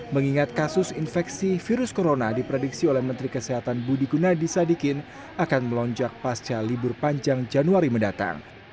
mengingat kasus infeksi virus corona diprediksi oleh menteri kesehatan budi gunadisadikin akan melonjak pasca libur panjang januari mendatang